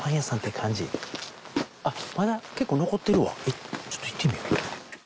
あっまだ結構残ってるわチョット行ってみよう。